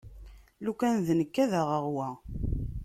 Lukan d nekk ad aɣeɣ wa.